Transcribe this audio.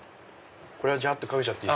これはジャってかけていい？